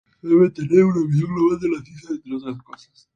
Además, deben tener una visión global de las ciencias, entre otras cosas.